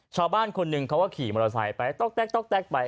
ชาวบ้านคนหนึ่งเขาก็ขี่มอเตอร์ไซค์ไปต๊อกแก๊กไป